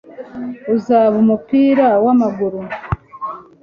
uzaba umupira wamaguru